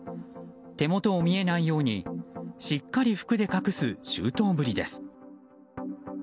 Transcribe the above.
手元を見えないようにしっかり服で隠す周到ぶりです。